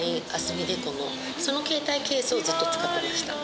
海デコのその携帯ケースをずっと使ってました